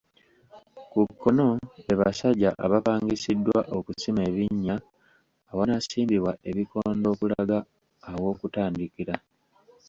Ku kkono be basajja abapangisiddwa okusima ebinnya awanaasimbibwa ebikondo okulaga aw’okutandikira.